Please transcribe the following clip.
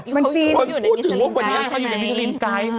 เขาอยู่ในมิซาลินไกด์ใช่ไหมเขาอยู่ในมิซาลินไกด์